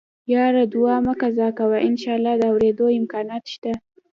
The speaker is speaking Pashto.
يره دوا مه قضا کوه انشاالله د اورېدو امکانات شته.